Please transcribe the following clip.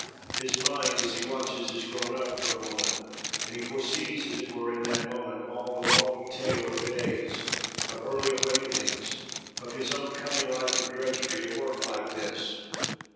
His mind, as he watches, is grown up for a moment; and he foresees, as it were, in that moment, all the long tale of days, of early awakings, of his own coming life of drudgery at work like this.